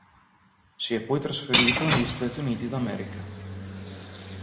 Si è poi trasferito negli Stati Uniti d'America.